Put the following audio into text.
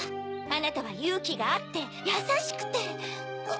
あなたはゆうきがあってやさしくて。